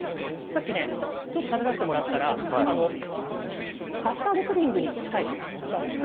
さっきねちょっと食べさせてもらったらカスタードプディングに近いかな。